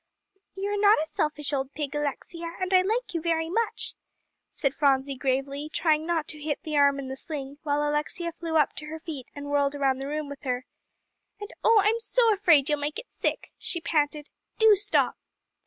"You are not a selfish old pig, Alexia, and I like you very much," said Phronsie gravely, trying not to hit the arm in the sling, while Alexia flew up to her feet and whirled around the room with her. "And, oh, I'm so afraid you'll make it sick," she panted. "Do stop."